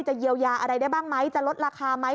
เยียวยาอะไรได้บ้างไหมจะลดราคาไหม